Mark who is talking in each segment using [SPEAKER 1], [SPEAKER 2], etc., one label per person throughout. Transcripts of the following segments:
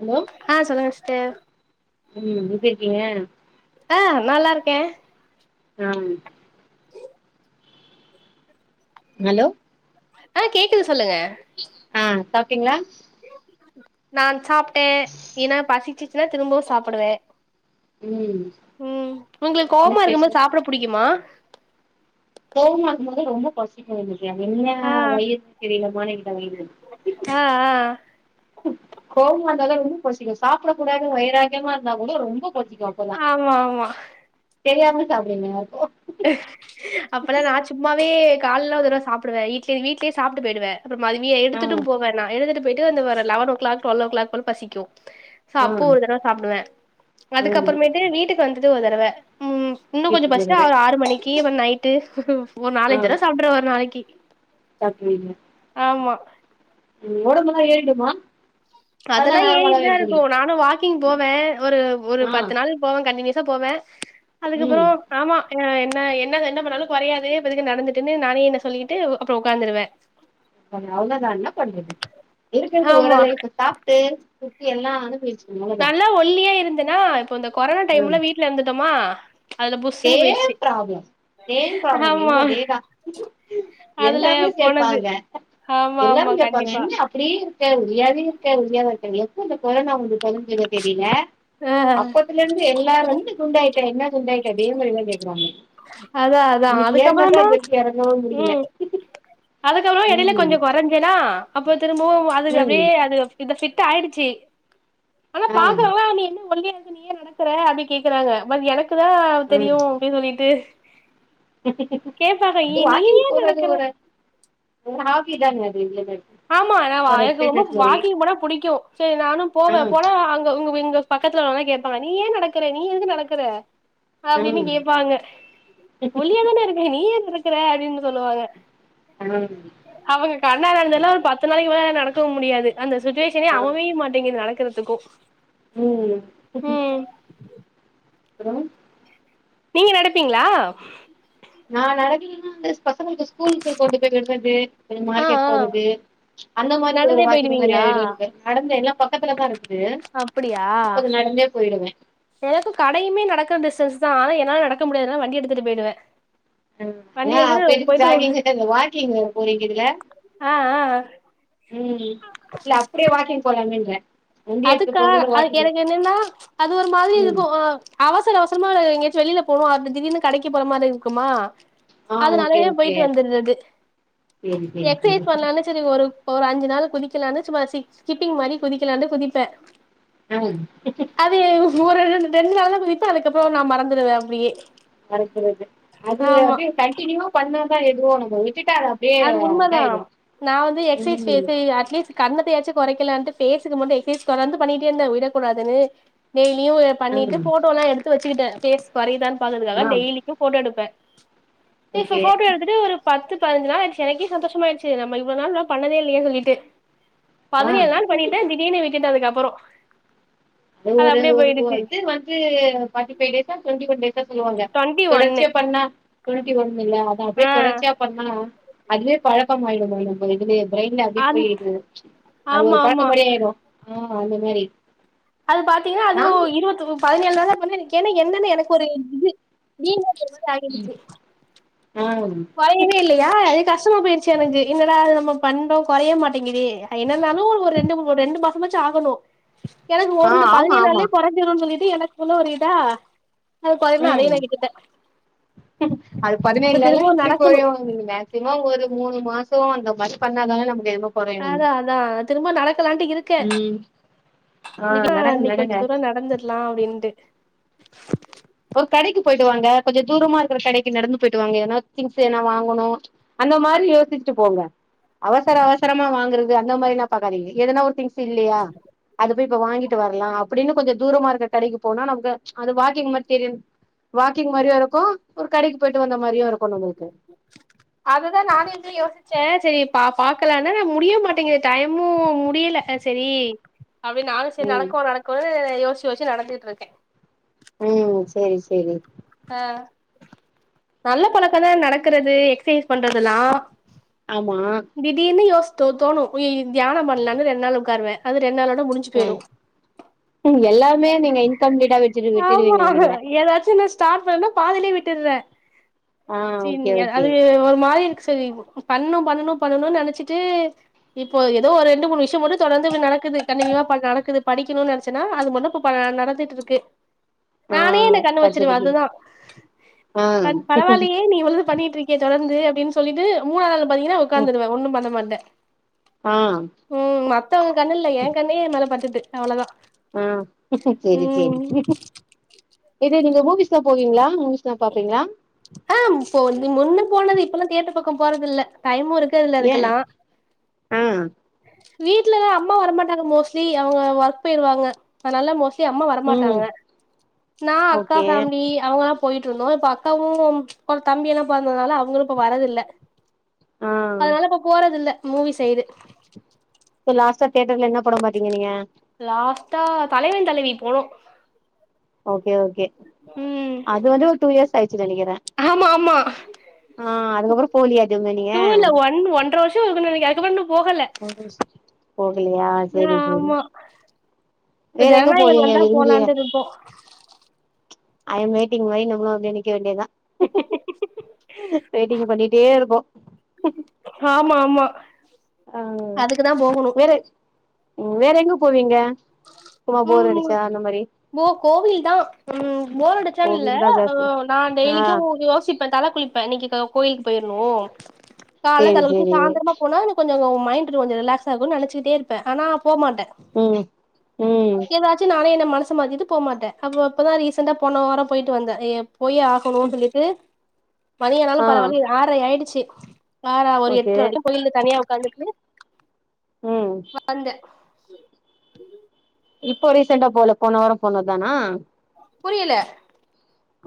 [SPEAKER 1] Hello?
[SPEAKER 2] ஆ சொல்லுங்க ஸ்டர்.
[SPEAKER 1] ம் எப்டிருக்கீங்க?
[SPEAKER 2] ஆ நல்லாருக்கே.
[SPEAKER 1] அம். ஹலோ?
[SPEAKER 2] ஆ கேக்குது சொல்லுங்க
[SPEAKER 1] ஆ சாப்ட்டீங்களா
[SPEAKER 2] நான் சாப் ட்டே ஏனா பசிச்சிச்சின்னா திரும்பவு சாப்புடுவே.
[SPEAKER 1] ம்
[SPEAKER 2] ம் உங்குளுக்
[SPEAKER 1] என்ன
[SPEAKER 2] கோவமா இருக்கம்போது
[SPEAKER 1] ஸ்பெஷல்
[SPEAKER 2] சாப்ட புடிக்குமா?
[SPEAKER 1] கோவமா இருக்கும்போது ரொம்போ பசிக்கு எனக்கு அது என்னா
[SPEAKER 2] ஆ
[SPEAKER 1] வயிறுனு தெரில மானங்கெட்ட வயிறுன்
[SPEAKER 2] ஆ ஆ.
[SPEAKER 1] கோவமா இருந்தாத ரொம்போ பசிக்கு. சாப்பட கூடாது வயிராக்கியமா இருந்தா கூட ரொம்போ பசிக்கு. அப்பதா
[SPEAKER 2] ஆமா ஆமா.
[SPEAKER 1] தெரியாம சாப்புடுங்க அப்போ
[SPEAKER 2] அப்பல்லா நா சும்மாவே கால்ல ஒரு தடவ சாப்புடுவே இட்லி வீட்லியே சாப்ட்டு போய்டுவே. அப்றோ மதிவிய
[SPEAKER 1] ஆ
[SPEAKER 2] எடுத்துட்டும் போவே நா எடுத்துட்டு போயிட்டு அந்த ஒரு eleven o'clock twelve o'clock போல் பசிக்கு. சோ
[SPEAKER 1] ஆ
[SPEAKER 2] அப்போ ஒரு தடவ சாப்டுவே.
[SPEAKER 1] ம்
[SPEAKER 2] அதுக்கப்பறமேட்டு வீட்டுக்கு வந்துட்டு ஒரு தடவ ம். இன்னு கொஞ்சோ
[SPEAKER 1] வீட்டுக்கு
[SPEAKER 2] பசி
[SPEAKER 1] வருவே
[SPEAKER 2] று மணிக்கி அப்ப நைட்டு ஒ
[SPEAKER 1] ஆ
[SPEAKER 2] நாலஞ்தடவ சாப்ட்ருவே ஒரு நாளைக்கி.
[SPEAKER 1] சாப்ட்ருவீங்க
[SPEAKER 2] ஆமா‌.
[SPEAKER 1] ம் உங்ளோட இருந்தன்னா ஏறிடுமா?
[SPEAKER 2] ப்பா
[SPEAKER 1] அதெல்லா
[SPEAKER 2] அதல்லா
[SPEAKER 1] நார்மலாவே
[SPEAKER 2] ஏறிட்தா
[SPEAKER 1] இருக்குமே
[SPEAKER 2] இருக்கு. நானு வாக்கிங் போவே ஒரு ஒரு
[SPEAKER 1] ஆ
[SPEAKER 2] பத்து நாள் போவே கண்டினியுசா போவே. அதுக்கப்புறோ
[SPEAKER 1] ம்
[SPEAKER 2] ஆமா இங்க என்ன என்ன ச என்ன பண்ணாலு கொறையாது இப்ப எதுக்கு நடந்துட்டுன்னு நானே என்ன சொல்லிகிட்டு உ அப்றோ உக்காந்துருவே.
[SPEAKER 1] [unintelligible] அவ்ளோதா என்ன பண்றது இருக்கறது ஒரு
[SPEAKER 2] ஆமா.
[SPEAKER 1] லைஃப் சாப்ட்டு சுத்தி எல்லா அனுபச்சு
[SPEAKER 2] நல்லா ஒல்லியா இருந்தனா இப்போ இந்த கொரோனா
[SPEAKER 1] ம்
[SPEAKER 2] டைம்ல வீட்ல இந்துட்டோமா
[SPEAKER 1] சேம் பிராப்ளம். சேம் பிராப்ளம்
[SPEAKER 2] ஆமா.
[SPEAKER 1] எனக்கு அதேதா.
[SPEAKER 2] அதுல
[SPEAKER 1] எல்லாமே
[SPEAKER 2] போனது.
[SPEAKER 1] கேப்பாங்க.
[SPEAKER 2] ஆமா, ஆமா.
[SPEAKER 1] எல்லாரு கேப்பாங்க
[SPEAKER 2] கண்டிப்பா.
[SPEAKER 1] என்ன அப்பிடியே இருக்க ஒல்லியாவே இருக்க ஒல்லியாவே இருக்கன் எ எப்போ இந்த கொரோனா வந்து தொலஞ்சுதோ தெரில
[SPEAKER 2] அ
[SPEAKER 1] அப்போ அப்போதுலருந்து எல்லாரு வந்து குண்டாயிட்ட என்ன குண்டாயிட்ட அதே மாரிதா கேக்கறாங்க
[SPEAKER 2] அதா அதா அதுக்கப்பறமா
[SPEAKER 1] எறங்கவே முடியல
[SPEAKER 2] ம் அதுக்கப்பறமா எடையில கொஞ்சோ
[SPEAKER 1] ம்
[SPEAKER 2] குறைஞ்சன்னா அப்ப திரும்பவு அதுக்கு அப்படியே
[SPEAKER 1] ம்
[SPEAKER 2] அது இது பிட்டா ஆயிடுச்சு ஆனா
[SPEAKER 1] ஆ
[SPEAKER 2] பாக்கறவங்களா என்ன ஒல்லியா இருக்க நீ ஏன் நடக் கற அப்புடி கேக்கறாங்க பட் எனக்கு தா தெரியு
[SPEAKER 1] ம்
[SPEAKER 2] அப்புடின்னு சொல்லிட்டு கேப்பாங்க
[SPEAKER 1] அது
[SPEAKER 2] ஏ நீ
[SPEAKER 1] வாக்கிங்
[SPEAKER 2] ஏன்
[SPEAKER 1] போறது
[SPEAKER 2] நடக்கற
[SPEAKER 1] ஒரு ஒரு ‌ஹாப்பி ஜர்னி அது இதுல்லேன்னருக்கு
[SPEAKER 2] ஆமா ஆனா எனக்கு ரொம்ப வாக்கிங் போனா புடிக்கு சேரி நானு
[SPEAKER 1] ஆ
[SPEAKER 2] போவே போன அங்க உங்க விங்க பக்கத்துல உள்ளவங்கல்லா கேப்பாங்க நீ ஏ நடக்கற நீ எதுக்கு நடக்கற அப்டின்னு
[SPEAKER 1] ம்
[SPEAKER 2] கேப்பாங்க ஒல்லியா தானே இருக்கே நீ ஏன் நடக்கற அப்புடின்னு சொல்லுவாங்க
[SPEAKER 1] ம்
[SPEAKER 2] அவங்க கண்ணாலந்தெல்லா‌ ஒரு பத்து நாளைக்கி கூட நடக்க முடியாது அந்த சுச்சுவேஷனே
[SPEAKER 1] ஆ
[SPEAKER 2] அமைய மாட்டேங்குது நடக்கறதுக்கு
[SPEAKER 1] ம்
[SPEAKER 2] ம்
[SPEAKER 1] அப்பறோ
[SPEAKER 2] நீங்க நடப்பீங்களா
[SPEAKER 1] நான் நடக்கிங்கன்னா வந்து பசங்கங்களுக்கு ஸ்கூலுக்கு கொண்டு போய் விடுறது கொஞ்சோ
[SPEAKER 2] ஆ
[SPEAKER 1] மார்க்கெட்
[SPEAKER 2] ஆ
[SPEAKER 1] போறது அந்த மாதிரி ஒரு
[SPEAKER 2] நடந்தே
[SPEAKER 1] வாக்கிங் மாரி
[SPEAKER 2] போயிடுவீங்களா
[SPEAKER 1] ஆயிடு எனக்கு நடந்தேனா பக்கத்துலதா இருக்குது
[SPEAKER 2] அப்படியா
[SPEAKER 1] அப்ப அது நடந்தே போயிடுவே
[SPEAKER 2] எனக்கு கடையுமே நடக்கற டிஸ்டன்ஸ் தா ஆனா என்னால நடக்க முடியாதுன்னால வண்டி எடுத்துட்டு போயிடுவே
[SPEAKER 1] ஆ
[SPEAKER 2] வண்டி
[SPEAKER 1] ஏ
[SPEAKER 2] எடுத்துட்டு
[SPEAKER 1] அப்ப எதுக்கு
[SPEAKER 2] போயிட்டு ஒரு
[SPEAKER 1] ஜாகிங் [unintelligible] வாக்கிங் போறீங்கல்ல
[SPEAKER 2] ஆ ஆ
[SPEAKER 1] ம் இல்ல அப்டியே வாக்கிங் போலாமேன்றே வண்டி எடுத்து
[SPEAKER 2] அதுக்கா
[SPEAKER 1] போறதோட
[SPEAKER 2] அதுக்கு
[SPEAKER 1] வாக்கிங்
[SPEAKER 2] எனக்கு என்னன்னா அது ஒரு மாதிரி
[SPEAKER 1] ம்
[SPEAKER 2] இருக்கு அ அவசர அவசரமா எங்கயாச்சு வெளில போணு அது திடீர்னு கடைக்கி போற மாரி இருக்குமா
[SPEAKER 1] ஆ ஓகே
[SPEAKER 2] அதனாலயே
[SPEAKER 1] ஓகே
[SPEAKER 2] போயிட்டு வந்துர்றது
[SPEAKER 1] சேரி சேரி சேரி
[SPEAKER 2] எக்சைஸ் பண்லானு சேரி ஒரு ஒரு அஞ்சு நாள் குதிக்கலான்னு சும்மா சிக் ஸ்கிப்பிங் மாரி குதிக்கலான்னு குதிப்ப
[SPEAKER 1] அ
[SPEAKER 2] அது ஒருரெண்டு தெரிஞ்சனால குதிப்பே அதுக்கப்புறோ நா மறந்துடுவே அப்படியே
[SPEAKER 1] மறக்குறது அது அப்டியே கண்டினியூவா பண்ணாதா எதுவோ நம்ம விட்டுட்டா அப்டியே
[SPEAKER 2] அது உண்ம தா
[SPEAKER 1] இதாயிடு
[SPEAKER 2] நா வந்து எக்ஸைஸ் பே
[SPEAKER 1] ம்
[SPEAKER 2] செய்வ அட்லீஸ் கண்ணத்தையாச்சு கொறைக்கலான்ட்டு ஃபேஸுக்கு மட்டு எக்சசைஸ் பண்ணிட்டே இருந்த விடக்கூடாதுன்னு டெய்லியு பண்ணிட்டு போட்டோல்லா எடுத்து வச்சுக்கிட்டே ஃபேஸ் கொரையதான்னு பாக்கறதுக்காக
[SPEAKER 1] ஆ ஆ
[SPEAKER 2] டெய்லிக்கு போட்டோ எடுப்பே இப்ப
[SPEAKER 1] ஓகே
[SPEAKER 2] போட்டோ எடுத்துட்டு ஒரு பத்து பதினெச்சி நாளாயிடுச்சு எனக்கே சந்தோஷமாயிடுச்சு நம்ம இவ்ளோவு நாளு நாம பண்ணதே இல்லயேன்னு சொல்லிட்டு
[SPEAKER 1] ஆ
[SPEAKER 2] பதினேழு நாள் பண்ணிட்டே திடீர்னு விட்டுட்டே அதுக்கப்புறோ அது
[SPEAKER 1] ஒரு
[SPEAKER 2] அப்டியே
[SPEAKER 1] ஒரு ஒரு
[SPEAKER 2] போயிடுச்சு
[SPEAKER 1] இது வந்து ஃபார்ட்டி ஃபைவ் டேஸ்டா டுவென்டி ஒன் டேசா சொல்லுவாங்க
[SPEAKER 2] டுவெண்ட்டி ஒன்னு
[SPEAKER 1] தொடர்ச்சியா பண்ணா டுவென்டி ஒன்லலா அதா அப்டியே
[SPEAKER 2] ஆ
[SPEAKER 1] தொடர்ச்சியா பண்ணா அதுவே பழக்கமாயிடு இந்த இதுவே ப்ரெயின்ல அப்படி
[SPEAKER 2] அந்
[SPEAKER 1] போய் இது அது
[SPEAKER 2] ஆமா
[SPEAKER 1] ஒரு
[SPEAKER 2] ஆமா
[SPEAKER 1] பழக்கமாரி ஆயிடு ஆ அந்த மாரி
[SPEAKER 2] அது பாத்தீங்னா அது
[SPEAKER 1] நாங்
[SPEAKER 2] இருபத்து பதினெழு நாளு வந்து ஏன்னா என்னன்னு எனக்கு ஒரு இது
[SPEAKER 1] ஆ
[SPEAKER 2] [unintelligible] [unintelligible] யா அதே கஷ்டமா போயிருச்சு எனக்கு என்னடா நம்ம பண்றோ கொறைய மாட்டேங்குதே எ என்னருந்தாலு ஒரு ரெண்டு மூன் ரெண்டு மாசோ சுமச்சே ஆகணு எனக்கு
[SPEAKER 1] ஆ
[SPEAKER 2] ஒருந்து
[SPEAKER 1] ஆமா ஆமா
[SPEAKER 2] பதினேழுனால்யே குறைஞ்சிரு சொல்லிட்டு எனக்குள்ள ஒரு இதா அது கொறையனு அதையு
[SPEAKER 1] ம்
[SPEAKER 2] நா விட்டுட்டே
[SPEAKER 1] அது பதினேழு
[SPEAKER 2] இப்ப
[SPEAKER 1] நாள்ல
[SPEAKER 2] திரும்பவு
[SPEAKER 1] இப்படி
[SPEAKER 2] நடக்கணு
[SPEAKER 1] குறையும்ங்க சிம ஒரு மூணு மாசோ அந்த மாரி பண்ணாதாங்க நமக்கு ஏதோ
[SPEAKER 2] அதா அதா திரும்ப நடக்கலாண்ட இருக்கே
[SPEAKER 1] ம்
[SPEAKER 2] [inaudible]
[SPEAKER 1] ஆ நடங்க
[SPEAKER 2] இன்னைக்கி கொஞ்ச
[SPEAKER 1] நடங்க
[SPEAKER 2] தூரோ நடந்துற்லா அப்டின்ட்டு
[SPEAKER 1] ஒரு கடைக்கு போய்ட்டு வாங்க கொஞ்சோ தூரமா இருக்கற கடைக்கு நடந்து போய்ட்டு வாங்க எதன திங்ஸ் எதன வாங்கணு அந்த மாரி யோசிச்சுட்டு போங்க அவசர அவசரமா வாங்குறது அந்த மாரினா பாக்காதீங்க எதன ஒரு திங்ஸ் ஸு இல்லியா அது [inaudible] இப்ப வாங்கிட்டு வர்லா அப்டின்னு கொஞ்சோ தூரமா இருக்க கடைக்கு போனா நமக்கு அது வாக்கிங் மட் [unintelligible] வாக்கிங் மாரியு இருக்கு ஒரு கடைக்கு போயிட்டு வந்த மாரியு இருக்கு நம்பளுக்கு
[SPEAKER 2] அததா நானு எங்குளு யோசிச்சே செரி பாக்கலாம்னா நா முடிய மாட்டேங்குது டைமு முடியில செரி அப்டி நானு செரி
[SPEAKER 1] ம்
[SPEAKER 2] நடக்கு நடக்குனு யோசி யோசிச்சு நடத்திட்டு இருக்கே
[SPEAKER 1] ம் செரி சேரி
[SPEAKER 2] அ நல்ல பழக்க தா நடக்குறது எக்சஸ் பண்றதெல்லா
[SPEAKER 1] ஆமா
[SPEAKER 2] திடீர்னு யோஸ் தோ தோணு [unintelligible] தியானோ பண்ணலான்னு ரெண் நாள் ஒக்காருவே அது ரெண் நாளோட முடிஞ் சு பேரு
[SPEAKER 1] ம் எல்லாமே நீங்க இன்கம்ப்ளீட்டா வச்சுட்டு
[SPEAKER 2] ஆமா
[SPEAKER 1] விட்டுடுவீங்கன்னு நெனைக்கிறே
[SPEAKER 2] ஏதாச்சு நா ஸ்டார்ட் பண்ணா பாதிலே விட்டுறே
[SPEAKER 1] ஆ ஓகே
[SPEAKER 2] [unintelligible]
[SPEAKER 1] ஓகே
[SPEAKER 2] அது ஒரு மாதிரி இருக்கு செரி பண்ணு பண்ணணு பண்ணணுனு நெனைச்சிட்டு இப்போ ஏதோ ஒரு ரெண்டு மூணு விஷ்யோ மட்டு தொடந்து நடக்குது கண்டினியூவா இப்ப நடக்குது படிக்கணும்னு நெனா ச்சனா அது மட்டு இப்ப ப நடந்துட்ருக்கு
[SPEAKER 1] ஆ
[SPEAKER 2] நானே என்ன கண்ணு வச்சிருவே
[SPEAKER 1] பட்ஜெட்டுக்கு
[SPEAKER 2] அதுதா
[SPEAKER 1] ஆ
[SPEAKER 2] பரவாயில்லயே நீ இவ்ளோது பண்ணிட்ருக் கியே தொடந்து அப்டின்னு சொல்லிட்டு மூணா நாள் பாத்தீங்கன்னா உக்காந்துருவே ஒண்ணு பண்ண மாட்டே
[SPEAKER 1] ஆ
[SPEAKER 2] ம் மத்தவங்க கண்ணு இல்ல என் கண்ணியே என் மேல பட்டுட்டு அவ்ளோதா
[SPEAKER 1] ம் செரி செரி
[SPEAKER 2] ம்
[SPEAKER 1] இது நீங்க மூவிஸ்லா போவீங்களா மூவிஸ்ல்லா பாப்பீங்களா
[SPEAKER 2] ஆ போ நீ முன்ன போனது இப்பெல்லா தியேட்டர் பக்க போறதில்ல டைமு இருக்
[SPEAKER 1] ஏன் ஆ
[SPEAKER 2] வீட்லதா அம்மா வரமாட்டாங்க மோஸ்ட்லி அவுங்க ஒர்க் போய்ருவாங்க அதனால மோஸ் ட்லி அம்மா
[SPEAKER 1] ம்
[SPEAKER 2] வரமாட்டாங்க நா அக்கா
[SPEAKER 1] ஓகே
[SPEAKER 2] ஃபேமிலி அவுங்க போயிட்ருந்தோ இப்ப அக்காவு இப்ப தம்பியெல்லா பொறந்ததுனால அவுங்களு இப்ப வர்றதில்ல
[SPEAKER 1] ஆ
[SPEAKER 2] அதனால இப்ப போறது இல்ல மூவி சைடு
[SPEAKER 1] இப்ப லாஸ்டா தேட்டர்ல என்ன படம் பாத்தீங்க நீங்க
[SPEAKER 2] லாஸ்ட்டா தலைவன் தலைவி போனோ
[SPEAKER 1] ஓகே ஓகே
[SPEAKER 2] ம்
[SPEAKER 1] அது வந்து ஒரு டூ இயர்ஸ் ஆயிடுச்சு நெனைக்கிறே
[SPEAKER 2] ஆமா ஆமா
[SPEAKER 1] ஆ அதுக்கப்புறோ போலியா எதுவுமே நீங்க
[SPEAKER 2] டூ இல்ல ஒன் ஒன்ற வர் ஷோருக்கு நெனைக்கிறே அதுக்கப்றோ இன்னு போகல
[SPEAKER 1] [inaudible] போகலியா
[SPEAKER 2] ஆ
[SPEAKER 1] செரி செரி
[SPEAKER 2] ஆமா இப்ப
[SPEAKER 1] வேற எங்க
[SPEAKER 2] ஜனநாயகன்
[SPEAKER 1] போவீங்க
[SPEAKER 2] வந்தா
[SPEAKER 1] விரும்பி
[SPEAKER 2] போலான்ட்டு இருக்கோ
[SPEAKER 1] ஐயம் வெயிட்டிங் மாரி நம்மளு அப்டியே நிக்க வேண்டியதா வெயிட்டிங் பண்ணிகிட்டே இருப்போ
[SPEAKER 2] ஆமா ஆமா
[SPEAKER 1] ஆ
[SPEAKER 2] அதுக்குதா போகணு
[SPEAKER 1] வேற ம் வேற எங்க போவீங்க சும்மா போர்
[SPEAKER 2] ம்
[SPEAKER 1] அடிச்ச அந்தமாரி
[SPEAKER 2] போ கோவில் தா ம் போர் அடிச்சானில்ல
[SPEAKER 1] கோவில் தா ஜாஸ்தி
[SPEAKER 2] நா
[SPEAKER 1] ஆ
[SPEAKER 2] டெய்லிக்கு யோசிப் பா தல குளிப்ப இன்னிக்கி க கோயிலுக்கு போயிருனு கால்ல
[SPEAKER 1] சேரி
[SPEAKER 2] தல குளிச்சி
[SPEAKER 1] சேரி
[SPEAKER 2] சாந்திரமா போனா எனக் கொஞ்சவு மைண்ட் கொஞ்ச ரிலாக்ஸ் ஆகு நெனச்சிக்கிட்டே இருப்பே ஆனா போமாட்டே
[SPEAKER 1] ம் ம்
[SPEAKER 2] ன்ஆச்சி நானே என்ன மனசு மாத்திட்டு போமாட்டே அப்ப இப்பதா ரீசண்டா போன வாரோ போய்ட்டு வந்தே எ எப் பொய் ஆஹணு சொல்லிட்டு மதியனாலு
[SPEAKER 1] ஆ
[SPEAKER 2] பரவாலி ஆறை ஆயிடுச்சு ஆறா ஒரு
[SPEAKER 1] ஓகே
[SPEAKER 2] எட்ற வரி கோயில்ல தனியா உக்காந்துக்குனு
[SPEAKER 1] ம்
[SPEAKER 2] வந்தே
[SPEAKER 1] இப்போ ரீசன்டா போல போன வாரோ போனதானா
[SPEAKER 2] புரியல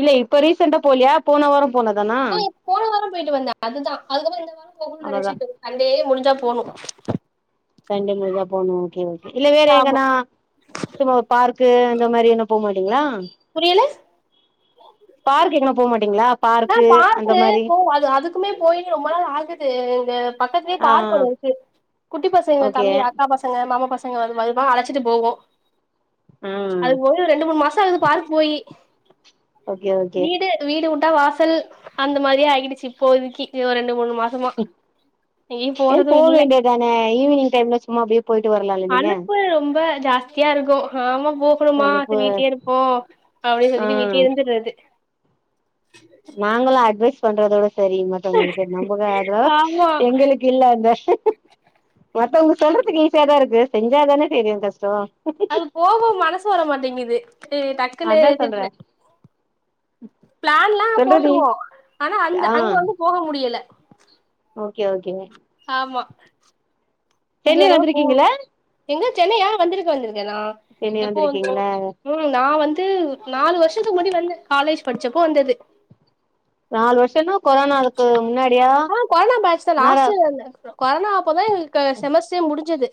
[SPEAKER 1] இல்ல இப்ப ரீசெண்டா போலியா போன வாரம் போனதானா
[SPEAKER 2] அய் போன வாரம் போயிட்டு வந்தே அதுதா அதுக்கப்புறம் இந்த வாரம் போகனு
[SPEAKER 1] அவ்ளோதா
[SPEAKER 2] நெனச்சிப்புது சண்டே முடிஞ்சா போணு
[SPEAKER 1] தண்டி முர்வா போணு ஓகே ஓகே இல்லெ வேற
[SPEAKER 2] ஆமா
[SPEAKER 1] எங்கனா சும்மா ஒர் பார்க்கு அந்த மாரி என்ன போமாட்டீங்களா
[SPEAKER 2] புரியலஸ்
[SPEAKER 1] பார்க் எங்கனா போமாட்டீங்களா
[SPEAKER 2] ஆ பாரு போ அது அதுக்குமே போய் ரொம்ப நாள் ஆகுது இங்க பக்கத்லே
[SPEAKER 1] ஆ
[SPEAKER 2] பார்க் ஒண்ணு இருக்கு குட்டி பசங்க
[SPEAKER 1] ஓகே
[SPEAKER 2] தம்பி அக்கா பஸ் கங்க மாமா பசங்கது ஒ அது வைபொ அழைச்சிட்டு போவோ
[SPEAKER 1] ஆ
[SPEAKER 2] அதுக் ஒவி எ ரெண்டு மூன் மாசாகுது பார்க் போயி
[SPEAKER 1] ஓகே ஓகே
[SPEAKER 2] வீடு வுட்டா வாசல் அந்த மாரியே ஆகிடிச்சி இப்போதிக்கி யோ ரெண்டு மூணு மாசமா நீ
[SPEAKER 1] ஏ
[SPEAKER 2] போறது
[SPEAKER 1] போ
[SPEAKER 2] இல்ல
[SPEAKER 1] வேண்டியதானே ஈவினிங் டைம்ல சும்மா அப்டியே போயிட்டு வரலால்ல நீங்க
[SPEAKER 2] அழுப்பு ரொம்ப ரொம்ப ஜாஸ்த் கியா இருக்கு ஹாமா
[SPEAKER 1] அ
[SPEAKER 2] போகணுமா
[SPEAKER 1] இப்போ
[SPEAKER 2] அது வீட்லே இருப்போ அப்டி சொல்லிட்டு
[SPEAKER 1] ஆ
[SPEAKER 2] வீட்லியே இருந்துறது
[SPEAKER 1] நாங்களு அட்வைஸ் பண்றதோட சரி மத்தவங்களுக்கெ நம்பக அதோ
[SPEAKER 2] ஆமா
[SPEAKER 1] எங்களுக் கில்ல அந்தஷ் மத்தவங்க சொல்றதுக்கு ஈஸியாதா இருக்கு செஞ்சாதான தெரியு கஷ்டோ
[SPEAKER 2] அது போக மனசு வரமாட்டேங்கிது இ டக்குன்னு
[SPEAKER 1] அதா சொல்றே
[SPEAKER 2] திட்ன ப்ளான்ல்லா
[SPEAKER 1] சொல்றடி
[SPEAKER 2] போட்ருவோ ஆனா அந்த
[SPEAKER 1] ஆ
[SPEAKER 2] அங் வந்து போக முடியல
[SPEAKER 1] ஓகே ஓகே
[SPEAKER 2] ஆமா இந்
[SPEAKER 1] சென்னை
[SPEAKER 2] தடவ போ
[SPEAKER 1] வந்திருக்கீங்களா
[SPEAKER 2] எங்க சென்னையா வந்திருக்க வந்திருக்கனா
[SPEAKER 1] சென்னை
[SPEAKER 2] எப்போ வந்தோ
[SPEAKER 1] வந்திருக்கீங்களா
[SPEAKER 2] ம் நா வந்து நாலு வருஷத்துக்கு முன்னடி வந்தே காலேஜ் படிச்சப்போ வந்தது
[SPEAKER 1] நால் வர்ஷனு
[SPEAKER 2] ஆ கொரனா பேச்தா
[SPEAKER 1] முன்னால
[SPEAKER 2] லாஸ்டில்ல [unintelligible] கொரனா அப்பதா எங்கள்க்கு செமஸ்ஸே முடிஞ்சது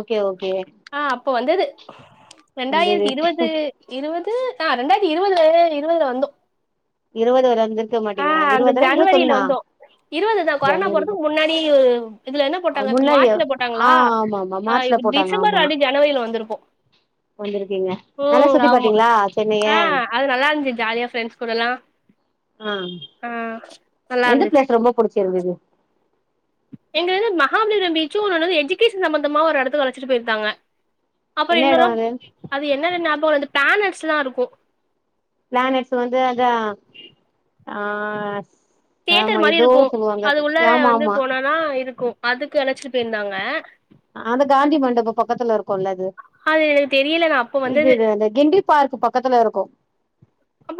[SPEAKER 1] ஓகே ஓகே
[SPEAKER 2] ஆ அப்ப வந்தது
[SPEAKER 1] வந்தது
[SPEAKER 2] ரெண்டாயிர்த் இருவது இருவது ஆ ரெண்டாய்த்தி இருவதுலேலே இருவதுல வந்தோ
[SPEAKER 1] இருவது வர அஞ்ச் இருக்க
[SPEAKER 2] ஆ
[SPEAKER 1] மாட்டீங்க
[SPEAKER 2] அந்த
[SPEAKER 1] இருவதுலா
[SPEAKER 2] ஜனவரில
[SPEAKER 1] இருவத்தொண்ணா
[SPEAKER 2] வந்தோ இருவதுதா கொரனா போறதுக்கு முன்னாடியு இதுல என்ன போட்டாங்க
[SPEAKER 1] முன்னாடியா
[SPEAKER 2] மாட்ல
[SPEAKER 1] ஆ
[SPEAKER 2] போட்டாங்களா
[SPEAKER 1] ஆமா ஆமா
[SPEAKER 2] ஆ
[SPEAKER 1] மார்ச்ல
[SPEAKER 2] இப்ப
[SPEAKER 1] போட்டாங்க
[SPEAKER 2] டிசம்பர்
[SPEAKER 1] ஆமா
[SPEAKER 2] அடி ஜனவரில வந்துருக்கு
[SPEAKER 1] வந்திருக்கீங்க நல்லா சுத்தி
[SPEAKER 2] ஆமா
[SPEAKER 1] பாத்தீங்ளா சென்னைய
[SPEAKER 2] ஆ அது நல்லாந்ஜு ஜாலியா ப்ரெண்ட்ஸ் குடல்லா
[SPEAKER 1] ஆம்
[SPEAKER 2] ஆ நல்லா
[SPEAKER 1] எந்த
[SPEAKER 2] இருந்துச்சு
[SPEAKER 1] ப்ளேஸ் ரொம்ப புடிச்சிருந்திது
[SPEAKER 2] எங்க இது மஹாப்லிர பீச்சு உன்னொன்னது எஜிகேசன் சம்பந்தமா ஒரு இடத்துக்கு அழச்சிட்டு போயிர்க்காங்க அப்பறோ
[SPEAKER 1] என்ன எடோ
[SPEAKER 2] இன்னொரு
[SPEAKER 1] அது
[SPEAKER 2] அது என்னன்னு ஞாபகோ இல் இந்த பிளானேட்ஸ்லா இருக்கு
[SPEAKER 1] பிளானெட்ஸ் வந்து அதா ஆ
[SPEAKER 2] தியேட்டர்
[SPEAKER 1] ஆமா
[SPEAKER 2] மாரி
[SPEAKER 1] ஏதோ
[SPEAKER 2] இருக்கு
[SPEAKER 1] சொல்லுவாங்க
[SPEAKER 2] அது உள்ளார
[SPEAKER 1] ஆமா
[SPEAKER 2] வந்து
[SPEAKER 1] ஆமா
[SPEAKER 2] போனனா இருக்கு அதுக்கு அழச்சிட்டு பேயிருந்தாங்க
[SPEAKER 1] அது காந்தி மண்டபோ பக்கத்துல இருக்குல அது
[SPEAKER 2] அது எனக்கு தெரியல நான் அப்ப
[SPEAKER 1] இது
[SPEAKER 2] வந்தது.
[SPEAKER 1] அ அந்த கிண்டி பார்க் பக்கத்துல இருக்கு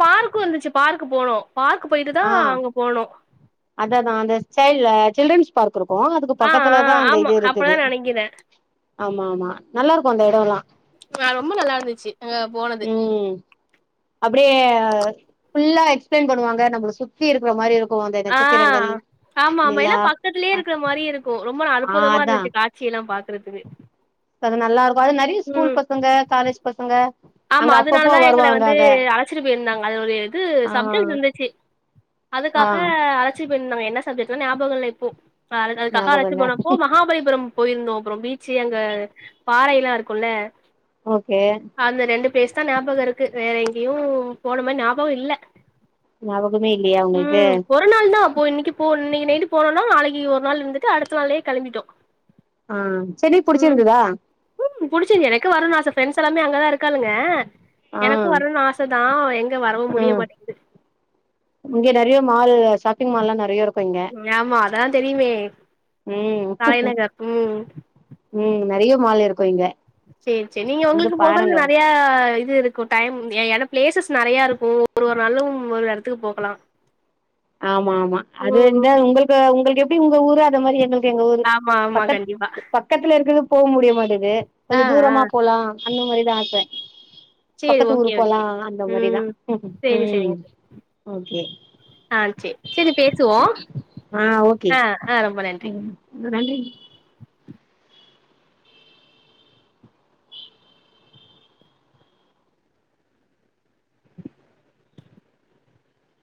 [SPEAKER 2] பார்க்கு இருந்துச்சு பார்க் போனோ பார்க் போயிட்டு தா அங்க போனோ
[SPEAKER 1] அதா அதா அந்த சைல் சில்ரன்ஸ் பார்க் இருக்கு அதுக் க்கு
[SPEAKER 2] ஆ, ஆ
[SPEAKER 1] பக்கத்துலதா அந்த
[SPEAKER 2] ஆமா.
[SPEAKER 1] இது இருக்குது
[SPEAKER 2] அப்பதான் நெனைக்கிறேன்.
[SPEAKER 1] ஆமா ஆமா நல்லாருக்கு அந்த எடோலா
[SPEAKER 2] ஆ ரொம்ப நல்லாருந்துச்சு அங்க போனது
[SPEAKER 1] ம் அப்டியே ஃபுல்லா எக்ஸ்பிளைன் பண்ணுவாங்க நம்ள சுத்தி இருக்குற மாரி இருக்கு அந்த
[SPEAKER 2] ஆ
[SPEAKER 1] நட்சத்திரங்கள்
[SPEAKER 2] ஆமா ஆமா எல்லா
[SPEAKER 1] நிலா
[SPEAKER 2] பக்கத்துலே இருக்குற மாரி இருக்கு ரொம்ப
[SPEAKER 1] ஆ
[SPEAKER 2] அற்புதமா
[SPEAKER 1] அதா
[SPEAKER 2] இருந்துச்சு கா ட்சி எல்லா பாக்குறத்துக்கு
[SPEAKER 1] அது நல்லாருக்கு அது நறைய ஸ்கூல் பசங்க காலேஜ் பசங்க
[SPEAKER 2] ஆமா
[SPEAKER 1] அங்க
[SPEAKER 2] அதுனால
[SPEAKER 1] அப்பப்போ
[SPEAKER 2] தா எங்கள
[SPEAKER 1] வருவாங்க
[SPEAKER 2] வந்து
[SPEAKER 1] அங்க
[SPEAKER 2] அழ ச்சிட்டு பேயிருந்தாங்க அது ஒரு இது
[SPEAKER 1] ஆ
[SPEAKER 2] சப்ஜெட் இருந்துச்சு
[SPEAKER 1] ஆ
[SPEAKER 2] அதுக்காக அழ ச்சிட்டு பேயிருந்தாங்க என்ன சப்ஜெட்டுனு ஞாபகோ இல்ல இப்போ அத அதுக்காக
[SPEAKER 1] ஞாபகோ
[SPEAKER 2] அழச்சு
[SPEAKER 1] இல்ல
[SPEAKER 2] போனப்போ மகாபலிபுரம் போயிருந்தோ அப்றோ பீச்சு அங்க பாறை எல்லா இருக்குல்ல
[SPEAKER 1] ஓகே
[SPEAKER 2] அந்த ரெண்டு பிளேஸ் தா ஞாபகோ இருக்கு வேற எங்கியு போன மரி ஞாபகோ இல்ல
[SPEAKER 1] ஞாபகமே இல்லையா உங்களுக்கு
[SPEAKER 2] ம் ஒரு நாள் தா அப்ப இன்னைக்கு போ இன்னைக்கு நைட்டு போனோனா நாளைக்கு ஒரு நாள் இருந்துட்டு அடுத்த நாளே கெளம்பிட்டோ
[SPEAKER 1] ஆ சென்னை புடிச்சிருந்துதா
[SPEAKER 2] ம் புடிச்சிது எனக்கு வருனு ஆச ஃப்ரெண்ட்ஸ் எல்லாமே அங்கதா இருக்காளுங்க
[SPEAKER 1] ஆ
[SPEAKER 2] எனக்கு வரணுனு ஆச தா எங்க வரவு முடிய
[SPEAKER 1] ம்
[SPEAKER 2] மாட்டேங்குது
[SPEAKER 1] இங்க நறைய மாலு ஷாப்பிங் மால்லா நறைய இருக்கு இங்க
[SPEAKER 2] ஆமா அதலா தெரியுமே
[SPEAKER 1] ம்
[SPEAKER 2] தலைநகர் ம்
[SPEAKER 1] ம் நறைய மால் இருக்கு இங்க
[SPEAKER 2] சேரி சேரி நீங்க உங்கு
[SPEAKER 1] வந்து
[SPEAKER 2] ளுக்கு போகறது
[SPEAKER 1] பாருங்க
[SPEAKER 2] நறையா இது இருக் கு டைம் ஏ என்னா பிளேசஸ் நறையாருக்கு ஒரு ஒரு நாளு ஒரு எடத்துக்கு போகலா
[SPEAKER 1] ஆமா ஆமா அது
[SPEAKER 2] ம்
[SPEAKER 1] இந்த உங்களுக்கு உங்களுக்கு எப்டி உங்க ஊரு அது மாரி எங்க கு எங்க ஊரு
[SPEAKER 2] ஆமா ஆமா
[SPEAKER 1] பக்கத்
[SPEAKER 2] கண்டிப்பா
[SPEAKER 1] பக்கத்துல இருக்குற போக முடிய மாட்டுது
[SPEAKER 2] ஆ
[SPEAKER 1] கொஞ்ச
[SPEAKER 2] ஆ
[SPEAKER 1] தூரமா போலா அந்த மாரி தா ஆச
[SPEAKER 2] சேரி
[SPEAKER 1] பக்கத்து ஊரு
[SPEAKER 2] ஓகே
[SPEAKER 1] போலா
[SPEAKER 2] ஓகே
[SPEAKER 1] அந்த மாரிதா
[SPEAKER 2] ம் சேரி
[SPEAKER 1] ம்
[SPEAKER 2] சேரிங்க
[SPEAKER 1] ஓகே
[SPEAKER 2] ஆ செரி செரி பேசுவோ
[SPEAKER 1] சரி ஆ ஓகே
[SPEAKER 2] ஆ ஆ ரொம்ப நன்றி
[SPEAKER 1] ம் நன்றி